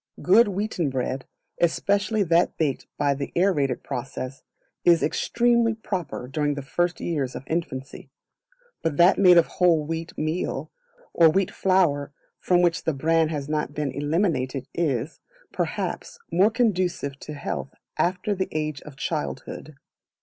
Good wheaten bread, especially that baked by the aerated process, is extremely proper during the first years of infancy; but that made of whole wheat meal, or wheat flour from which the bran has not been eliminated is, perhaps, more conducive to health after the age of childhood.